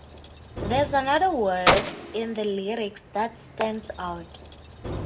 There’s another word in the lyrics that stands out.